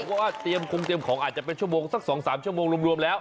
เพราะว่าเตรียมคงเตรียมของอาจจะเป็นชั่วโมงสัก๒๓ชั่วโมงรวมแล้ว